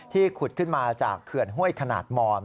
ขุดขึ้นมาจากเขื่อนห้วยขนาดมอม